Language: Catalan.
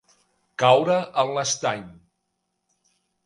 Caure en l'estany.